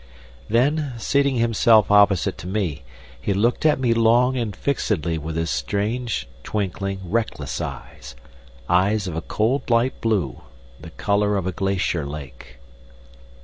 Then, seating himself opposite to me, he looked at me long and fixedly with his strange, twinkling, reckless eyes eyes of a cold light blue, the color of a glacier lake.